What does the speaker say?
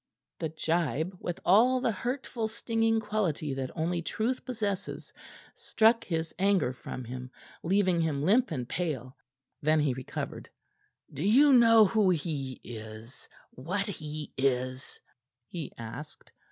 The gibe, with all the hurtful, stinging quality that only truth possesses, struck his anger from him, leaving him limp and pale. Then he recovered. "Do you know who he is what he is?" he asked.